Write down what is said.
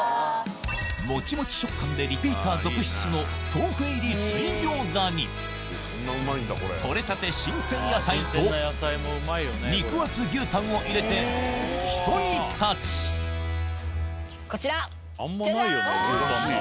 モチモチ食感でリピーター続出の豆腐入り水餃子にとれたて新鮮野菜と肉厚牛タンを入れてひと煮立ちジャジャン！